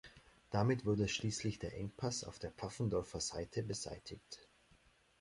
Damit wurde schließlich der Engpass auf der Pfaffendorfer Seite beseitigt.